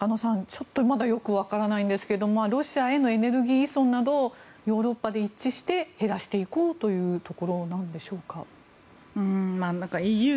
ちょっとまだよくわからないですがロシアへのエネルギー依存などをヨーロッパで一致して減らしていこうというところでしょうか？